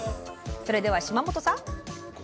それでは島本さん！